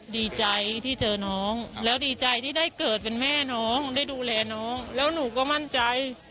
ดีใจที่เจอน้องแล้วดีใจที่ได้เกิดเป็นแม่น้องได้ดูแลน้องแล้วหนูก็มั่นใจ